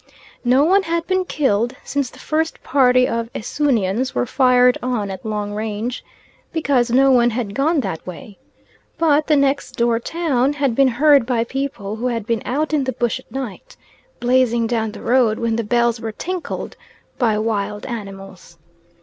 No one had been killed since the first party of Esoonians were fired on at long range, because no one had gone that way; but the next door town had been heard by people who had been out in the bush at night, blazing down the road when the bells were tinkled by wild animals.